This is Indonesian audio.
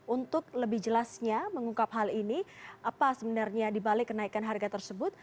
untuk lebih jelasnya mengungkap hal ini apa sebenarnya dibalik kenaikan harga tersebut